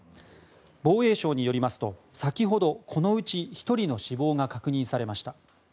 防衛省によりますと先ほど、このうち１人の死亡が確認されました。